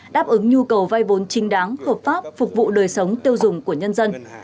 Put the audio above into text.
đáp ứng nhu cầu vay vốn trinh đáng hợp pháp phục vụ đời sống tiêu dùng của nhân dân